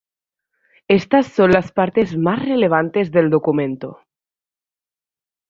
Estas son las partes más relevantes del documento